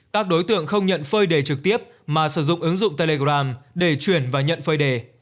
các đối tượng không nhận phơi đề trực tiếp mà sử dụng ứng dụng telegram để chuyển và nhận phơi đề